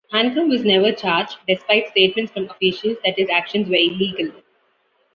Ankrom was never charged, despite statements from officials that his actions were illegal.